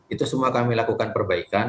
itu semua kami lakukan perbaikan